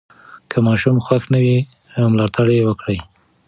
که ماشوم خوښ نه وي، ملاتړ یې وکړئ.